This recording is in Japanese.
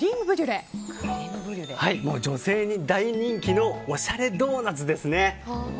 女性に大人気のおしゃれドーナツですね。